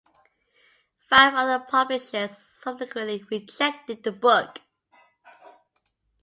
Five other publishers subsequently rejected the book.